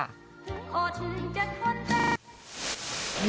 โอ้ถึงจัดความแปลก